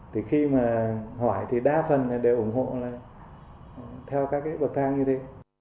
thì khi mà hỏi thì đa phần đều ủng hộ theo các cái bậc thang như thế